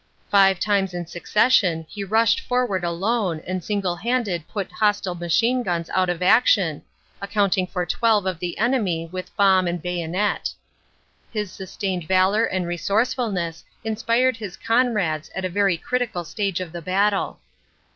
Five times in succession he rushed for ward alone and single handed put hostile machine guns out of action, accounting for twelve of the enemy with bomb and bayonet. His sustained valor and resourcefulness inspired his comrades at a very critical stage of the battle.